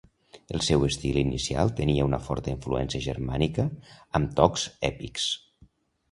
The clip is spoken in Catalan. El seu estil inicial tenia una forta influència germànica, amb tocs èpics.